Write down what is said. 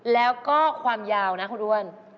แล้วก็ความยาวนะคุณอ้วน